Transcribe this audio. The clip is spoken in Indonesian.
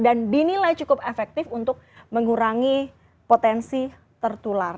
dan dinilai cukup efektif untuk mengurangi potensi tertular